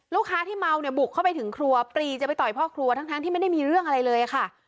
ที่เมาเนี่ยบุกเข้าไปถึงครัวปรีจะไปต่อยพ่อครัวทั้งที่ไม่ได้มีเรื่องอะไรเลยค่ะ